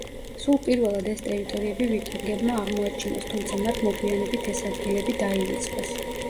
სულ პირველად ეს ტერიტორიები ვიკინგებმა აღმოაჩინეს, თუმცა მათ მოგვიანებით ეს ადგილები დაივიწყეს.